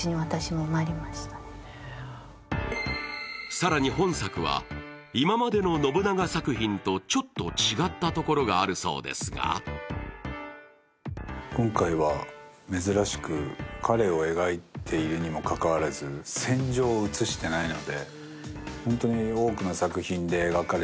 更に本作は今までの信長作品とちょっと違ったところがあるそうですが今回は珍しく、彼を描いているにもかかわらず戦場を映してないので。